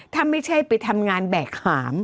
ถ้าไม่ใช่ไปทำงานแบกหาม